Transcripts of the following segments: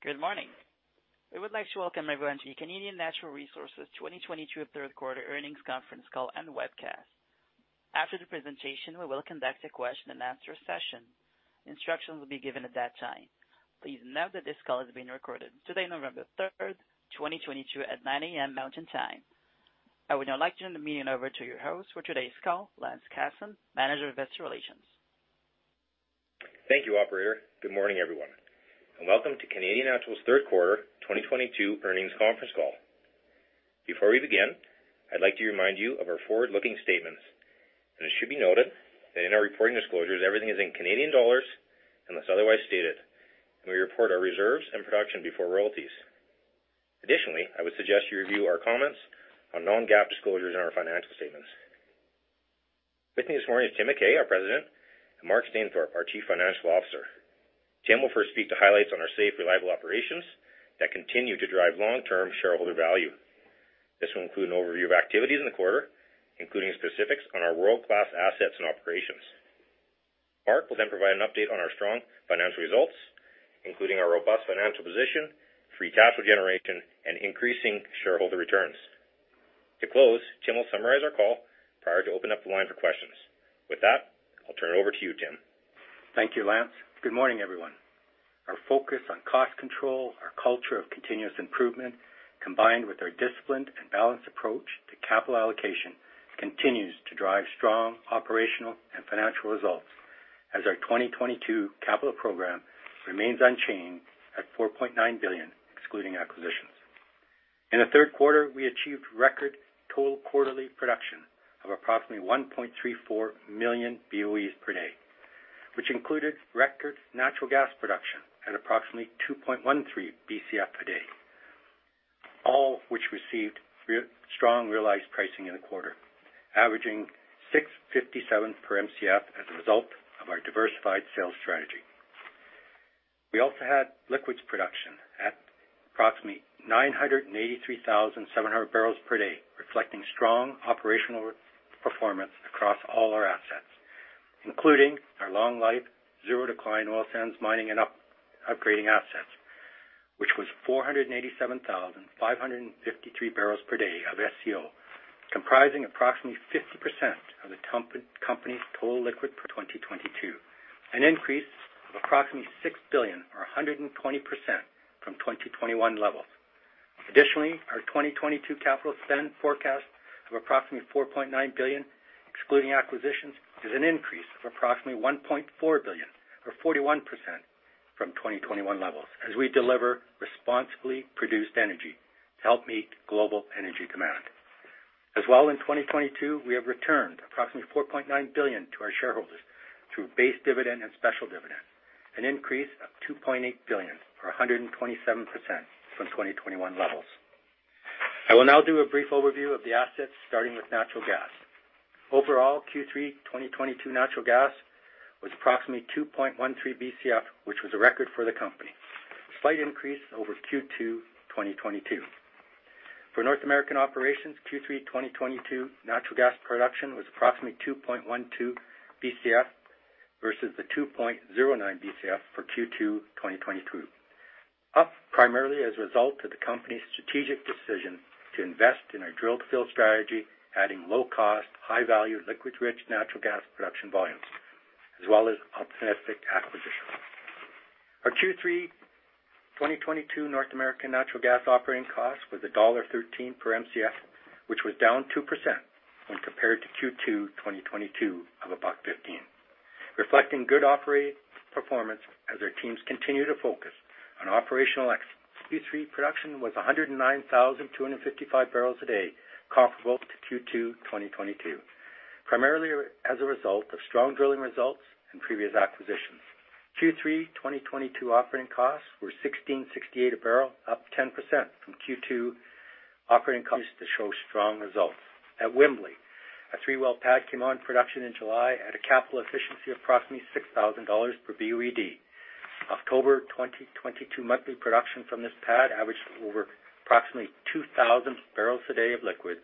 Good morning. We would like to welcome everyone to the Canadian Natural Resources 2022 third quarter earnings conference call and webcast. After the presentation, we will conduct a question and answer session. Instructions will be given at that time. Please note that this call is being recorded today, November third, 2022 at 9:00 A.M. Mountain Time. I would now like to turn the meeting over to your host for today's call, Lance Casson, Manager of Investor Relations. Thank you, operator. Good morning, everyone, and welcome to Canadian Natural's third quarter 2022 earnings conference call. Before we begin, I'd like to remind you of our forward-looking statements. It should be noted that in our reporting disclosures, everything is in Canadian dollars unless otherwise stated, and we report our reserves and production before royalties. Additionally, I would suggest you review our comments on non-GAAP disclosures in our financial statements. With me this morning is Tim McKay, our President, and Mark Stainthorpe, our Chief Financial Officer. Tim will first speak to highlights on our safe, reliable operations that continue to drive long-term shareholder value. This will include an overview of activities in the quarter, including specifics on our world-class assets and operations. Mark will then provide an update on our strong financial results, including our robust financial position, free cash flow generation, and increasing shareholder returns. To close, Tim will summarize our call prior to opening up the line for questions. With that, I'll turn it over to you, Tim. Thank you, Lance. Good morning, everyone. Our focus on cost control, our culture of continuous improvement, combined with our disciplined and balanced approach to capital allocation, continues to drive strong operational and financial results as our 2022 capital program remains unchanged at 4.9 billion, excluding acquisitions. In the third quarter, we achieved record total quarterly production of approximately 1.34 million BOE per day, which included record natural gas production at approximately 2.13 Bcf per day, all which received strong realized pricing in the quarter, averaging 6.57 per Mcf as a result of our diversified sales strategy. We also had liquids production at approximately 983,700 bbl per day, reflecting strong operational performance across all our assets, including our long life, zero decline oil sands mining and upgrading assets, which was 487,553 bbl per day of SCO, comprising approximately 50% of the company's total liquids for 2022, an increase of approximately 6 billion or 120% from 2021 levels. Additionally, our 2022 capital spend forecast of approximately 4.9 billion, excluding acquisitions, is an increase of approximately 1.4 billion or 41% from 2021 levels as we deliver responsibly produced energy to help meet global energy demand. As well in 2022, we have returned approximately 4.9 billion to our shareholders through base dividend and special dividend, an increase of 2.8 billion or 127% from 2021 levels. I will now do a brief overview of the assets, starting with natural gas. Overall, Q3 2022 natural gas was approximately 2.13 Bcf, which was a record for the company. Slight increase over Q2 2022. For North American operations, Q3 2022 natural gas production was approximately 2.12 Bcf versus the 2.09 Bcf for Q2 2022. Up primarily as a result of the company's strategic decision to invest in our drill-to-fill strategy, adding low cost, high value, liquid-rich natural gas production volumes, as well as opportunistic acquisitions. Our Q3 2022 North American natural gas operating cost was dollar 1.13 per Mcf, which was down 2% when compared to Q2 2022 of 1.15, reflecting good operational performance as our teams continue to focus on operational excellence. Q3 production was 109,255 bbl a day, comparable to Q2 2022, primarily as a result of strong drilling results and previous acquisitions. Q3 2022 operating costs were 16.68 a barrel, up 10% from Q2 operating costs, showing strong results. At Wembley, a three-well pad came on production in July at a capital efficiency of approximately 6,000 dollars per BOED. October 2022 monthly production from this pad averaged over approximately 2,000 bbl a day of liquids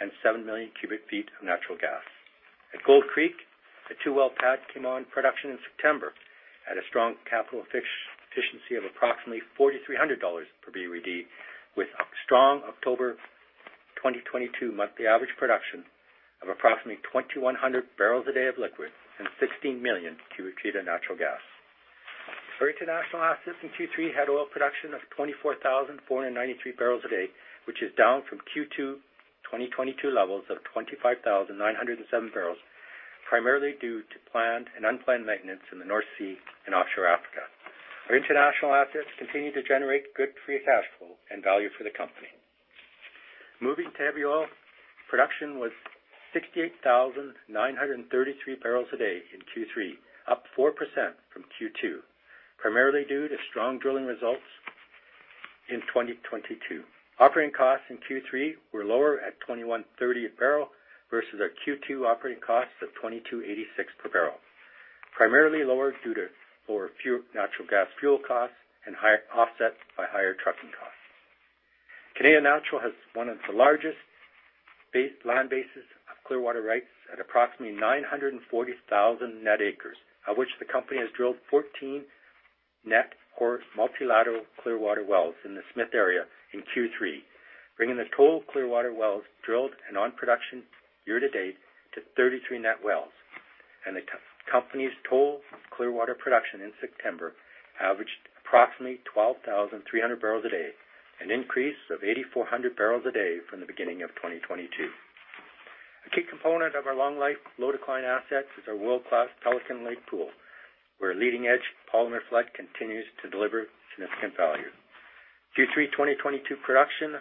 and 7 million cu ft of natural gas. At Gold Creek, a 2-well pad came on production in September at a strong capital efficiency of approximately 4,300 dollars per BOED, with a strong October 2022 monthly average production of approximately 2,100 bbl a day of liquid and 16 million cu ft of natural gas. Our international assets in Q3 had oil production of 24,493 bbl a day, which is down from Q2 2022 levels of 25,907 bbl, primarily due to planned and unplanned maintenance in the North Sea and offshore Africa. Our international assets continue to generate good free cash flow and value for the company. Moving to heavy oil. Production was 68,933 bbl a day in Q3, up 4% from Q2, primarily due to strong drilling results in 2022. Operating costs in Q3 were lower at 21.30 per barrel versus our Q2 operating costs of 22.86 per barrel, primarily lower due to lower natural gas fuel costs, offset by higher trucking costs. Canadian Natural has one of the largest land bases of Clearwater rights at approximately 940,000 net acres, of which the company has drilled 14 net multilateral Clearwater wells in the Smith area in Q3, bringing the total Clearwater wells drilled and on production year to date to 33 net wells. The company's total Clearwater production in September averaged approximately 12,300 bbl a day, an increase of 8,400 bbl a day from the beginning of 2022. A key component of our long life, low decline assets is our world-class Pelican Lake pool, where a leading-edge polymer flood continues to deliver significant value. Q3 2022 production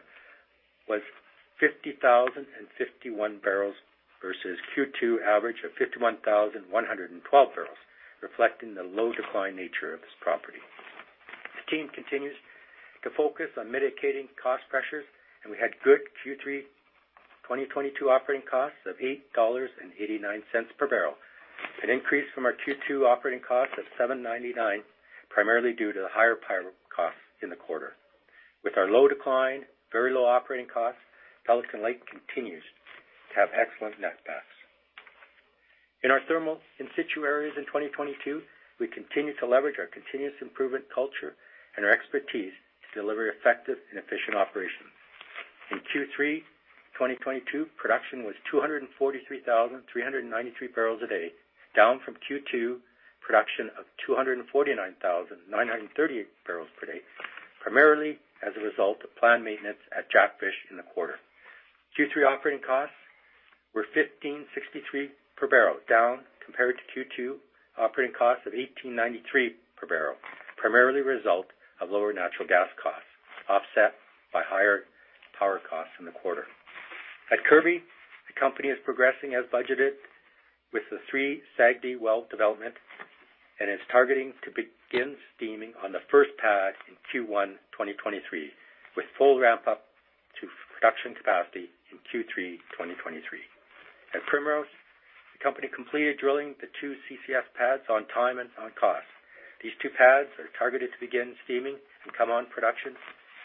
was 50,051 bbl versus Q2 average of 51,112 bbl, reflecting the low decline nature of this property. The team continues to focus on mitigating cost pressures, and we had good Q3 2022 operating costs of 8.89 dollars per barrel, an increase from our Q2 operating cost of 7.99, primarily due to the higher power costs in the quarter. With our low decline, very low operating costs, Pelican Lake continues to have excellent netbacks. In our thermal in situ areas in 2022, we continue to leverage our continuous improvement culture and our expertise to deliver effective and efficient operations. In Q3 2022, production was 243,393 bbl a day, down from Q2 production of 249,938 bbl per day, primarily as a result of planned maintenance at Jackfish in the quarter. Q3 operating costs were 1,563 per barrel, down compared to Q2 operating costs of 1,893 per barrel, primarily a result of lower natural gas costs, offset by higher power costs in the quarter. At Kirby, the company is progressing as budgeted with the three SAGD well development, and is targeting to begin steaming on the first pad in Q1 2023, with full ramp up to full production capacity in Q3 2023. At Primrose, the company completed drilling the two CSS pads on time and on cost. These two pads are targeted to begin steaming and come on production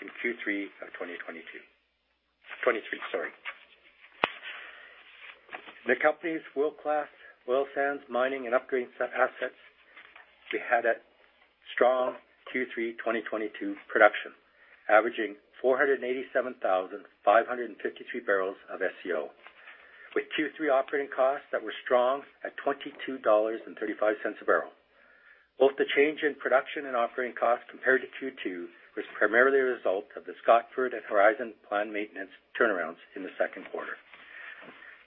in Q3 of 2022. In the company's world-class oil sands mining and upgrading assets, we had a strong Q3 2022 production, averaging 487,553 bbl of SCO, with Q3 operating costs that were strong at 22.35 dollars a barrel. Both the change in production and operating costs compared to Q2 was primarily a result of the Scotford and Horizon planned maintenance turnarounds in the second quarter.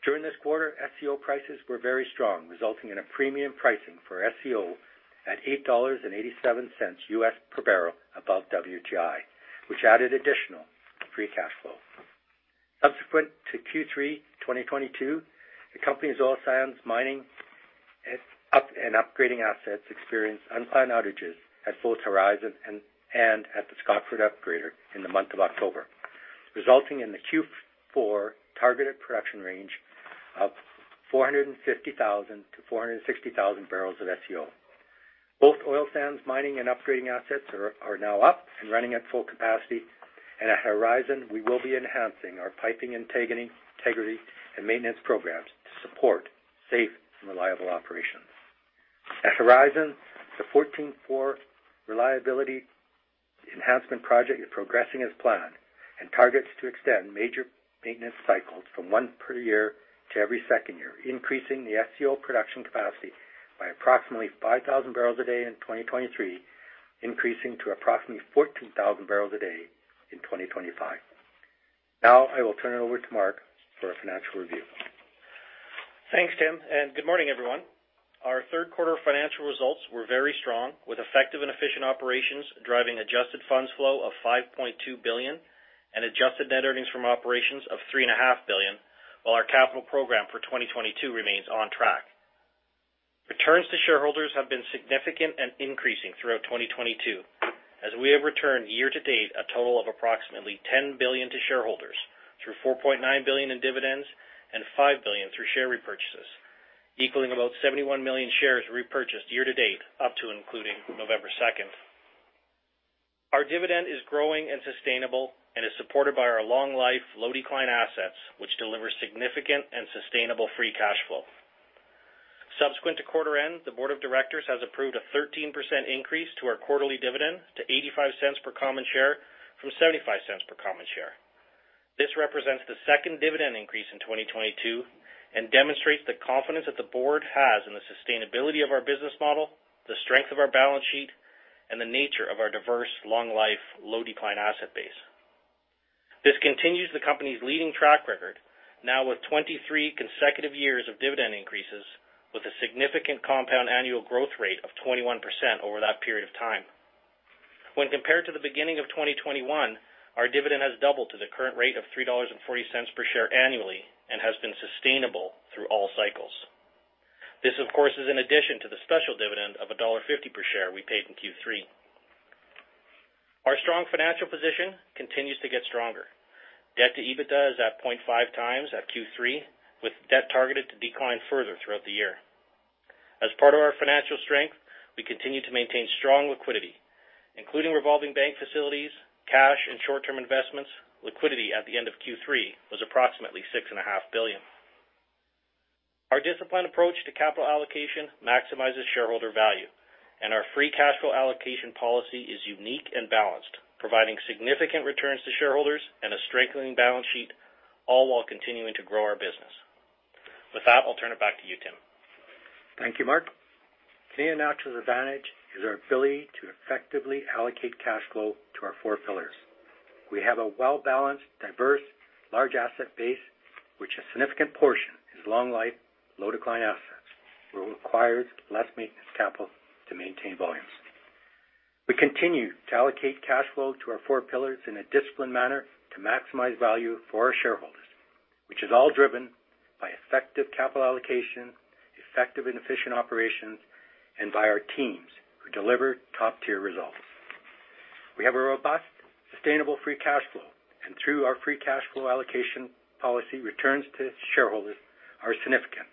During this quarter, SCO prices were very strong, resulting in a premium pricing for SCO at $8.87 US per barrel above WTI, which added additional free cash flow. Subsequent to Q3 2022, the company's oil sands mining and upgrading assets experienced unplanned outages at both Horizon and at the Scotford upgrader in the month of October, resulting in the Q4 targeted production range of 450,000-460,000 bbl of SCO. Both oil sands mining and upgrading assets are now up and running at full capacity. At Horizon, we will be enhancing our piping integrity and maintenance programs to support safe and reliable operations. At Horizon, the 1-4-4 reliability enhancement project is progressing as planned and targets to extend major maintenance cycles from one per year to every second year, increasing the SCO production capacity by approximately 5,000 bbl a day in 2023, increasing to approximately 14,000 bbl a day in 2025. Now I will turn it over to Mark for a financial review. Thanks, Tim, and good morning, everyone. Our third quarter financial results were very strong, with effective and efficient operations driving adjusted funds flow of 5.2 billion and adjusted net earnings from operations of 3.5 billion, while our capital program for 2022 remains on track. Returns to shareholders have been significant and increasing throughout 2022, as we have returned year to date a total of approximately 10 billion to shareholders through 4.9 billion in dividends and 5 billion through share repurchases, equaling about 71 million shares repurchased year to date up to including November second. Our dividend is growing and sustainable and is supported by our long life, low decline assets, which deliver significant and sustainable free cash flow. Subsequent to quarter end, the Board of Directors has approved a 13% increase to our quarterly dividend to 0.85 per common share from 0.75 per common share. This represents the second dividend increase in 2022 and demonstrates the confidence that the Board has in the sustainability of our business model, the strength of our balance sheet, and the nature of our diverse, long life, low decline asset base. This continues the company's leading track record now with 23 consecutive years of dividend increases with a significant compound annual growth rate of 21% over that period of time. When compared to the beginning of 2021, our dividend has doubled to the current rate of 3.40 dollars per share annually and has been sustainable through all cycles. This, of course, is in addition to the special dividend of dollar 1.50 per share we paid in Q3. Our strong financial position continues to get stronger. Debt to EBITDA is at 0.5x at Q3, with debt targeted to decline further throughout the year. As part of our financial strength, we continue to maintain strong liquidity, including revolving bank facilities, cash, and short-term investments. Liquidity at the end of Q3 was approximately 6.5 billion. Our disciplined approach to capital allocation maximizes shareholder value, and our free cash flow allocation policy is unique and balanced, providing significant returns to shareholders and a strengthening balance sheet, all while continuing to grow our business. With that, I'll turn it back to you, Tim. Thank you, Mark. Canadian Natural's advantage is our ability to effectively allocate cash flow to our four pillars. We have a well-balanced, diverse, large asset base, which a significant portion is long life, low decline assets, where it requires less maintenance capital to maintain volumes. We continue to allocate cash flow to our four pillars in a disciplined manner to maximize value for our shareholders, which is all driven by effective capital allocation, effective and efficient operations, and by our teams who deliver top-tier results. We have a robust, sustainable free cash flow, and through our free cash flow allocation policy, returns to shareholders are significant.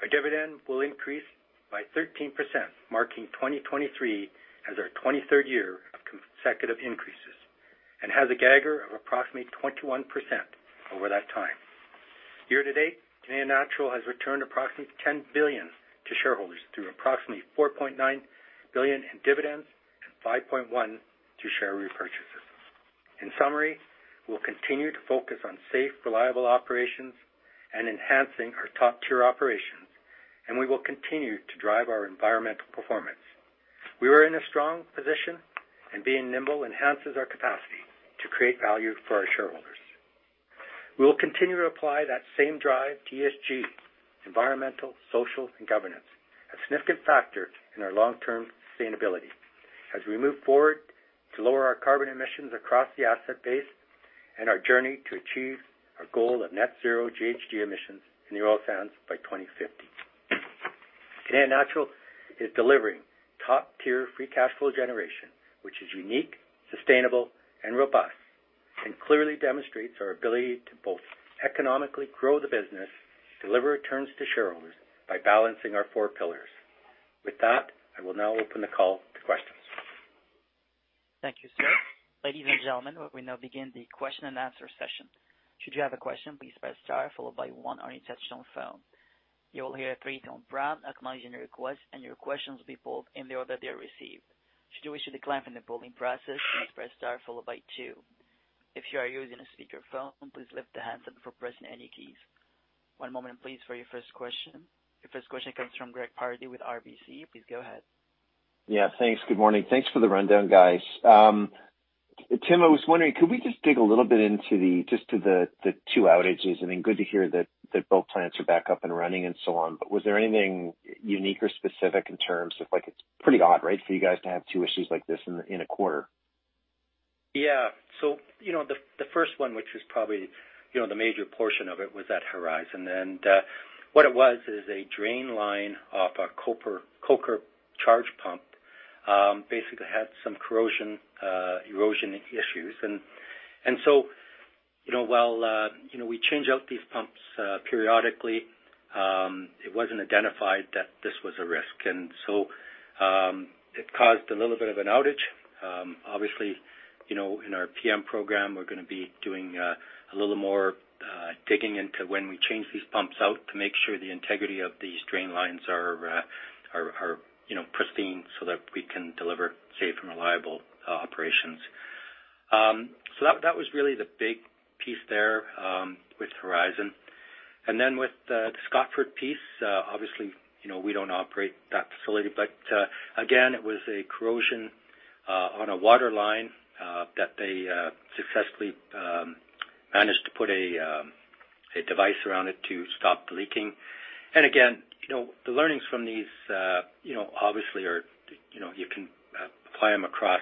Our dividend will increase by 13%, marking 2023 as our 23rd year of consecutive increases and has a CAGR of approximately 21% over that time. Year to date, Canadian Natural has returned approximately 10 billion to shareholders through approximately 4.9 billion in dividends and 5.1 billion in share repurchases. In summary, we'll continue to focus on safe, reliable operations and enhancing our top-tier operations, and we will continue to drive our environmental performance. We are in a strong position, and being nimble enhances our capacity to create value for our shareholders. We will continue to apply that same drive to ESG, environmental, social, and governance, a significant factor in our long-term sustainability as we move forward to lower our carbon emissions across the asset base and our journey to achieve our goal of net zero GHG emissions in the oil sands by 2050. Canadian Natural is delivering top-tier free cash flow generation, which is unique, sustainable, and robust, and clearly demonstrates our ability to both economically grow the business, deliver returns to shareholders by balancing our four pillars. With that, I will now open the call to questions. Thank you, sir. Ladies and gentlemen, we now begin the question and answer session. Should you have a question, please press star followed by one on your touchtone phone. You will hear a three-tone prompt acknowledging your request, and your questions will be pulled in the order they are received. Should you wish to decline from the polling process, please press star followed by two. If you are using a speakerphone, please lift the handset before pressing any keys. One moment please for your first question. Your first question comes from Greg Pardy with RBC. Please go ahead. Yeah, thanks. Good morning. Thanks for the rundown, guys. Tim, I was wondering, could we just dig a little bit into the two outages, and then good to hear that both plants are back up and running and so on. Was there anything unique or specific in terms of like, it's pretty odd, right, for you guys to have two issues like this in a quarter? Yeah. You know, the first one, which was probably, you know, the major portion of it was at Horizon. What it was is a drain line off a coker charge pump, basically had some corrosion, erosion issues. You know, while, you know, we change out these pumps, periodically, it wasn't identified that this was a risk. It caused a little bit of an outage. Obviously, you know, in our PM program, we're gonna be doing a little more digging into when we change these pumps out to make sure the integrity of these drain lines are, you know, pristine so that we can deliver safe and reliable operations. That was really the big piece there, with Horizon. With the Scotford piece, obviously, you know, we don't operate that facility. Again, it was a corrosion on a water line that they successfully managed to put a device around it to stop the leaking. Again, you know, the learnings from these, you know, obviously are, you know, you can apply them across,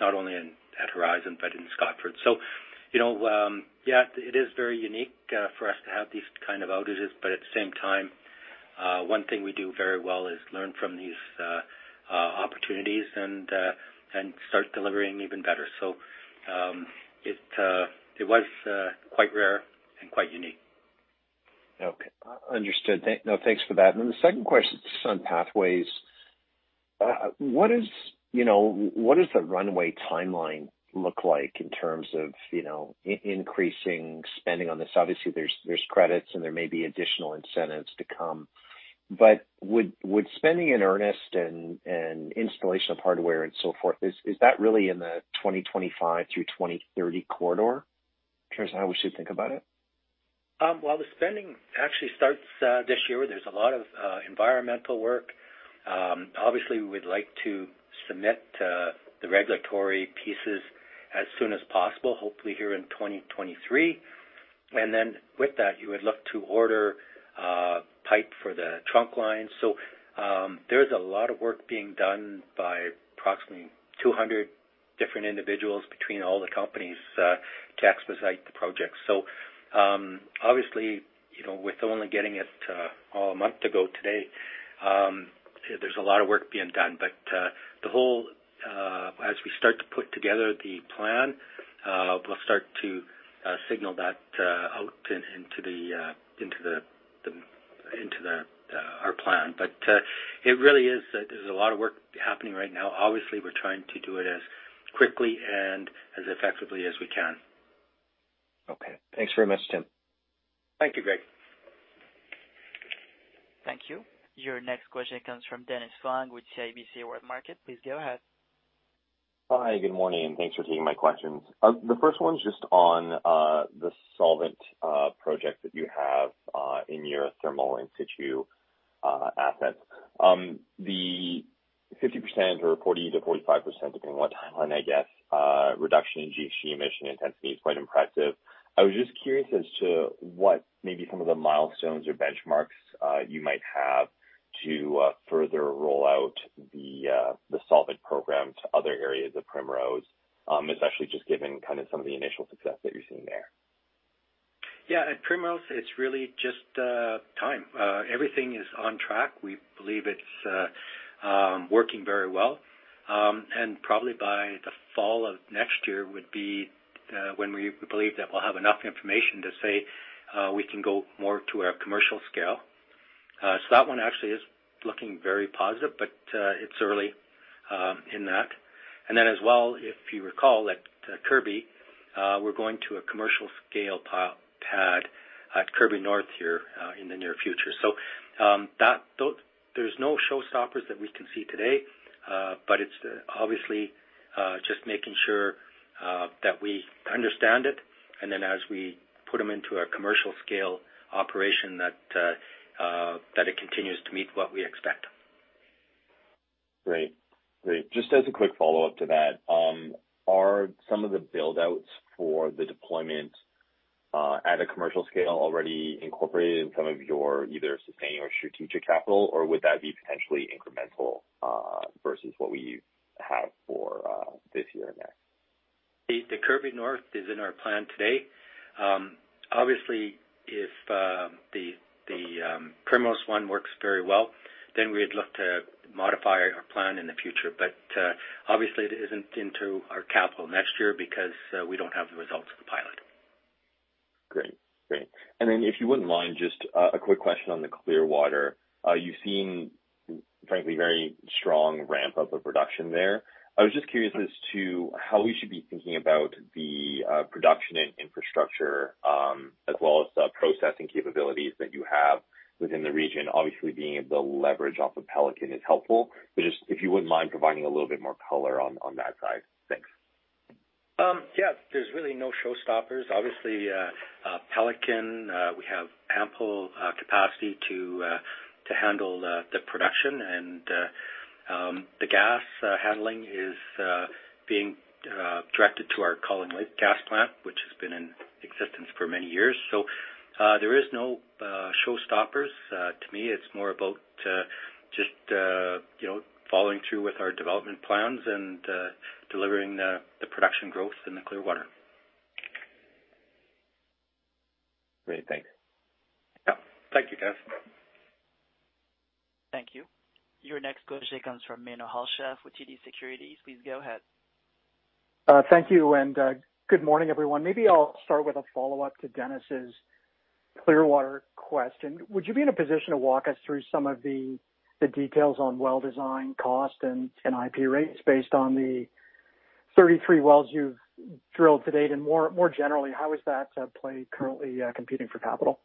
not only at Horizon, but in Scotford. You know, yeah, it is very unique for us to have these kind of outages, but at the same time, one thing we do very well is learn from these opportunities and start delivering even better. It was quite rare and quite unique. Okay. Understood. No, thanks for that. The second question is on Pathways. What is, you know, what does the runway timeline look like in terms of, you know, increasing spending on this? Obviously, there's credits and there may be additional incentives to come. Would spending in earnest and installation of hardware and so forth, is that really in the 2025 through 2030 corridor in terms of how we should think about it? Well, the spending actually starts this year. There's a lot of environmental work. Obviously we'd like to submit the regulatory pieces as soon as possible, hopefully here in 2023. Then with that, you would look to order pipe for the trunk line. There's a lot of work being done by approximately 200 different individuals between all the companies to expedite the project. Obviously, you know, with only getting it a month ago today, there's a lot of work being done. As we start to put together the plan, we'll start to signal that out into our plan. It really is that there's a lot of work happening right now. Obviously, we're trying to do it as quickly and as effectively as we can. Okay. Thanks very much, Tim. Thank you, Greg. Thank you. Your next question comes from Dennis Fong with CIBC Capital Markets. Please go ahead. Hi, good morning, and thanks for taking my questions. The first one's just on the solvent project that you have in your thermal in situ assets. The 50% or 40%-45%, depending on what timeline, I guess, reduction in GHG emission intensity is quite impressive. I was just curious as to what maybe some of the milestones or benchmarks you might have to further roll out the solvent program to other areas of Primrose, especially just given kind of some of the initial success that you're seeing there. Yeah. At Primrose, it's really just time. Everything is on track. We believe it's working very well. Probably by the fall of next year would be when we believe that we'll have enough information to say we can go more to a commercial scale. That one actually is looking very positive, but it's early in that. Then as well, if you recall, at Kirby, we're going to a commercial scale pad at Kirby North here in the near future. That there's no showstoppers that we can see today, but it's obviously just making sure that we understand it, and then as we put them into a commercial scale operation that it continues to meet what we expect. Great. Just as a quick follow-up to that, are some of the build-outs for the deployment at a commercial scale already incorporated in some of your either sustaining or strategic capital, or would that be potentially incremental versus what we have for this year and next? The Kirby North is in our plan today. Obviously, if the Primrose 1 works very well, then we'd look to modify our plan in the future. Obviously it isn't in our capital next year because we don't have the results of the pilot. Great. If you wouldn't mind, just a quick question on the Clearwater. You've seen frankly, very strong ramp-up of production there. I was just curious as to how we should be thinking about the production and infrastructure, as well as the processing capabilities that you have within the region. Obviously, being able to leverage off of Pelican is helpful. Just if you wouldn't mind providing a little bit more color on that side. Thanks. Yeah. There's really no showstoppers. Obviously, Pelican, we have ample capacity to handle the production, and the gas handling is being directed to our Cold Lake gas plant, which has been in existence for many years. There is no showstoppers. To me, it's more about just, you know, following through with our development plans and delivering the production growth in the Clearwater. Great. Thanks. Yeah. Thank you, Dennis. Thank you. Your next question comes from Menno Hulshof with TD Securities. Please go ahead. Thank you and good morning, everyone. Maybe I'll start with a follow-up to Dennis Fong's Clearwater question. Would you be in a position to walk us through some of the details on well design, cost, and IP rates based on the 33 wells you've drilled to date? More generally, how is that play currently competing for capital?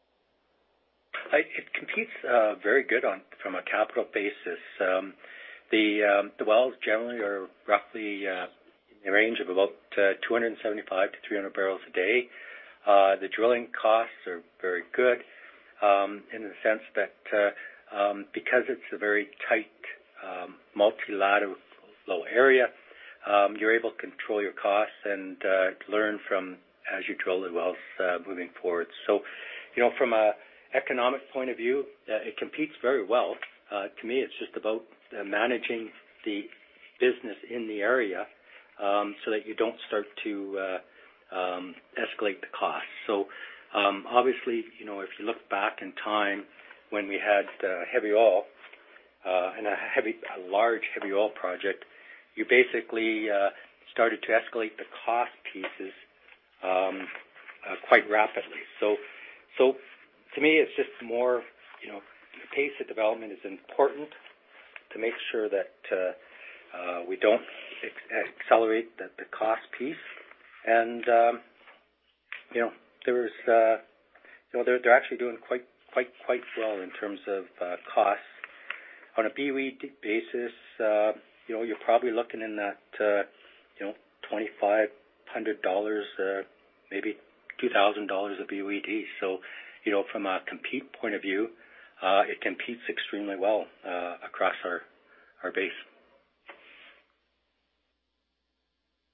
It competes very well on a capital basis. The wells generally are roughly in the range of about 275-300 bbl a day. The drilling costs are very good in the sense that because it's a very tight multilateral low area, you're able to control your costs and learn from as you drill the wells moving forward. You know, from an economic point of view, it competes very well. To me, it's just about managing the business in the area so that you don't start to escalate the cost. Obviously, you know, if you look back in time when we had heavy oil and a large heavy oil project, you basically started to escalate the cost pieces quite rapidly. To me, it's just more, you know, pace of development is important to make sure that we don't accelerate the cost piece. You know, there is, you know, they're actually doing quite well in terms of cost. On a BOD basis, you know, you're probably looking in that, you know, 2,500 dollars, maybe 2,000 dollars a BOD. You know, from a competitive point of view, it competes extremely well across our base.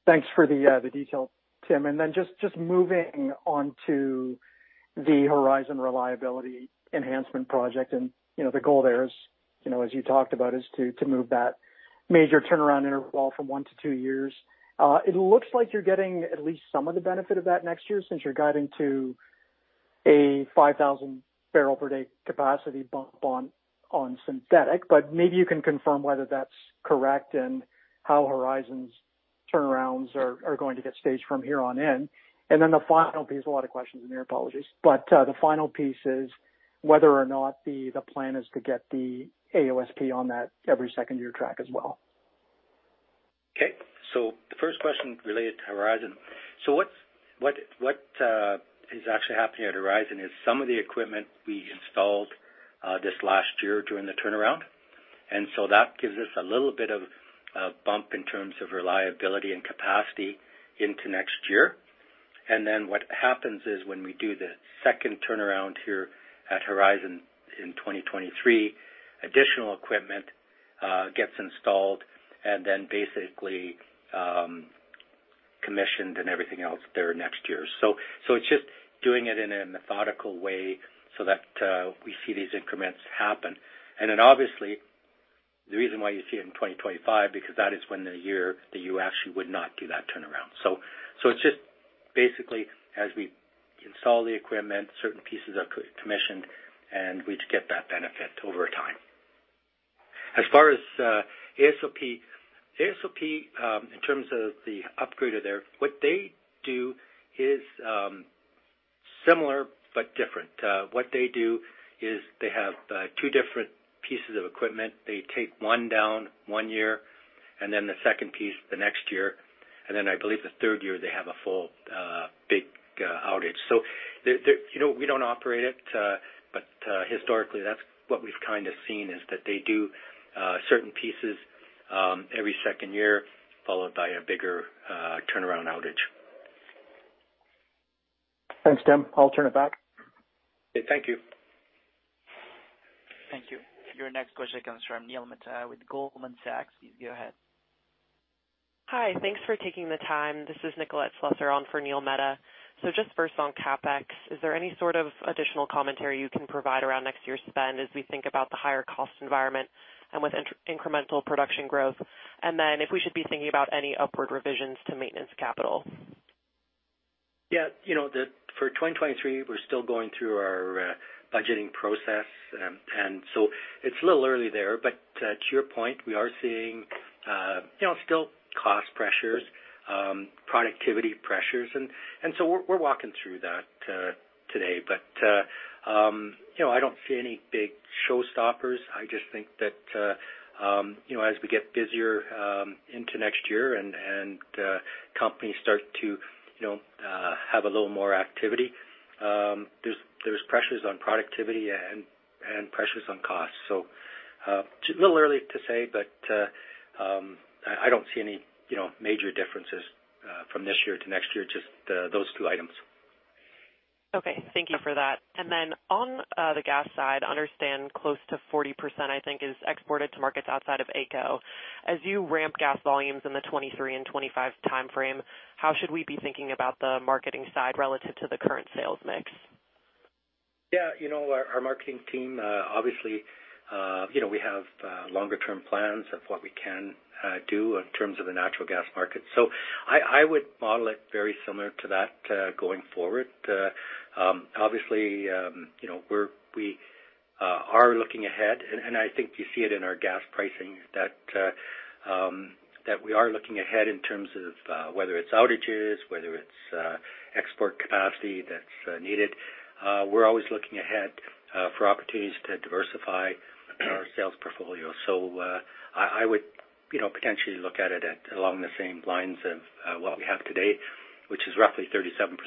Thanks for the detail, Tim. Just moving on to the Horizon Reliability Enhancement project. You know, the goal there is, you know, as you talked about, is to move that major turnaround interval from 1 to 2 years. It looks like you're getting at least some of the benefit of that next year since you're guiding to- A 5,000 barrel per day capacity bump on synthetic, but maybe you can confirm whether that's correct and how Horizon's turnarounds are going to get staged from here on in. Then the final piece, a lot of questions and their apologies, but the final piece is whether or not the plan is to get the AOSP on that every second year track as well. Okay. The first question related to Horizon. What is actually happening at Horizon is some of the equipment we installed this last year during the turnaround. That gives us a little bit of a bump in terms of reliability and capacity into next year. What happens is when we do the second turnaround here at Horizon in 2023, additional equipment gets installed and then basically commissioned and everything else there next year. It's just doing it in a methodical way so that we see these increments happen. Obviously, the reason why you see it in 2025, because that is when the year that you actually would not do that turnaround. It's just basically as we install the equipment, certain pieces are commissioned, and we get that benefit over time. As far as AOSP. AOSP, in terms of the upgrader there, what they do is similar but different. What they do is they have two different pieces of equipment. They take one down one year and then the second piece the next year. I believe the third year they have a full big outage. You know, we don't operate it, but historically that's what we've kind of seen, is that they do certain pieces every second year, followed by a bigger turnaround outage. Thanks, Tim. I'll turn it back. Thank you. Thank you. Your next question comes from Neil Mehta with Goldman Sachs. Please go ahead. Hi. Thanks for taking the time. This is Nicolette Slusser on for Neil Mehta. Just first on CapEx, is there any sort of additional commentary you can provide around next year's spend as we think about the higher cost environment and with incremental production growth? If we should be thinking about any upward revisions to maintenance capital? Yeah. You know, for 2023, we're still going through our budgeting process. It's a little early there. To your point, we are seeing, you know, still cost pressures, productivity pressures. We're walking through that today. You know, I don't see any big showstopper. I just think that, you know, as we get busier into next year and companies start to, you know, have a little more activity, there's pressures on productivity and pressures on cost. A little early to say, but I don't see any, you know, major differences from this year to next year, just those two items. Okay, thank you for that. On the gas side, understand close to 40%, I think, is exported to markets outside of AECO. As you ramp gas volumes in the 2023 and 2025 timeframe, how should we be thinking about the marketing side relative to the current sales mix? Yeah, you know, our marketing team obviously you know we have longer term plans of what we can do in terms of the natural gas market. I would model it very similar to that going forward. Obviously, you know, we are looking ahead and I think you see it in our gas pricing that we are looking ahead in terms of whether it's outages, whether it's export capacity that's needed. We're always looking ahead for opportunities to diversify our sales portfolio. I would you know potentially look at it along the same lines of what we have today, which is roughly 37%.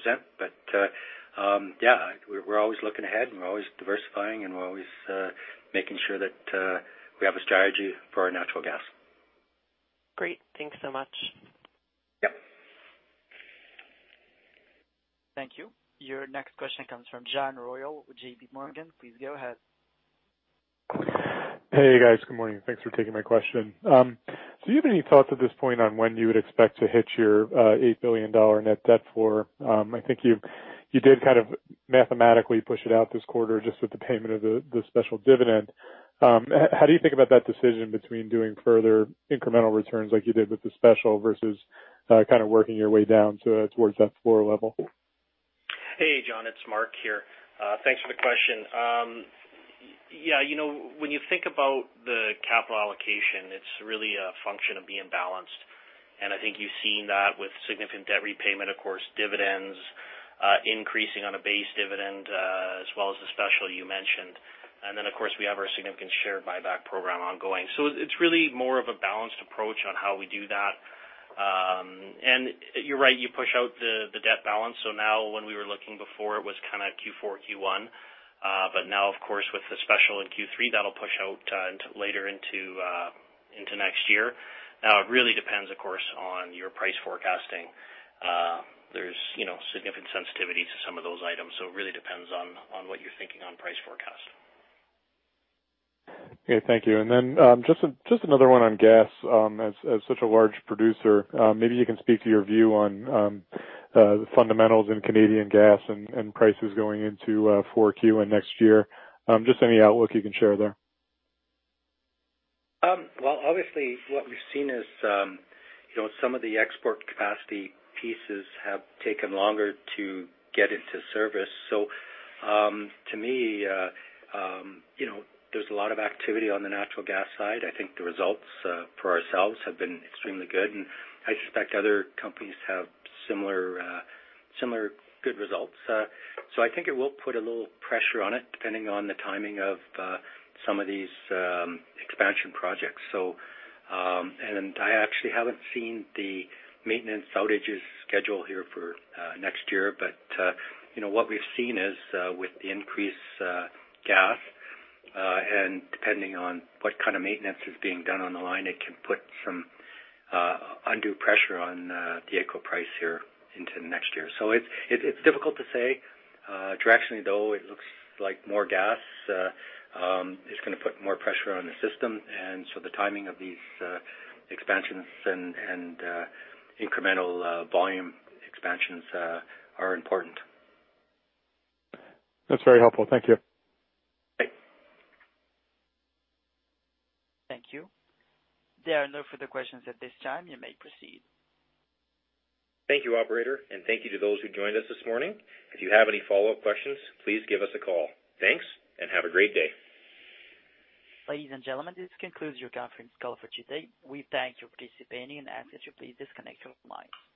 Yeah, we're always looking ahead, and we're always diversifying, and we're always making sure that we have a strategy for our natural gas. Great. Thanks so much. Yep. Thank you. Your next question comes from John Royall with J.P. Morgan. Please go ahead. Hey, guys. Good morning. Thanks for taking my question. Do you have any thoughts at this point on when you would expect to hit your 8 billion dollar net debt floor? I think you did kind of mathematically push it out this quarter just with the payment of the special dividend. How do you think about that decision between doing further incremental returns like you did with the special versus kind of working your way down towards that floor level? Hey, John, it's Mark here. Thanks for the question. Yeah, you know, when you think about the capital allocation, it's really a function of being balanced. I think you've seen that with significant debt repayment, of course, dividends, increasing on a base dividend, as well as the special you mentioned. Of course, we have our significant share buyback program ongoing. It's really more of a balanced approach on how we do that. You're right, you push out the debt balance. Now when we were looking before it was kind of Q4, Q1, but now of course, with the special in Q3, that'll push out into later next year. It really depends, of course, on your price forecasting. There's, you know, significant sensitivity to some of those items, so it really depends on what you're thinking on price forecast. Okay, thank you. Just another one on gas. As such a large producer, maybe you can speak to your view on the fundamentals in Canadian gas and prices going into 4Q and next year. Just any outlook you can share there. Well, obviously what we've seen is, you know, some of the export capacity pieces have taken longer to get into service. To me, you know, there's a lot of activity on the natural gas side. I think the results for ourselves have been extremely good, and I suspect other companies have similar good results. I think it will put a little pressure on it, depending on the timing of some of these expansion projects. I actually haven't seen the maintenance outages schedule here for next year. You know, what we've seen is, with the increased gas, and depending on what kind of maintenance is being done on the line, it can put some undue pressure on the AECO price here into next year. It's difficult to say. Directionally, though, it looks like more gas is gonna put more pressure on the system. The timing of these expansions and incremental volume expansions are important. That's very helpful. Thank you. Okay. Thank you. There are no further questions at this time. You may proceed. Thank you, operator, and thank you to those who joined us this morning. If you have any follow-up questions, please give us a call. Thanks, and have a great day. Ladies and gentlemen, this concludes your conference call for today. We thank you for participating and ask that you please disconnect your lines.